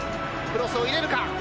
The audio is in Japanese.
クロスを入れるか？